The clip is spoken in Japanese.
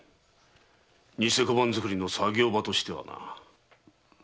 偽小判造りの作業場としてはな。